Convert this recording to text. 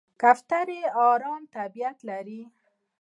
کوتره آرام طبیعت لري.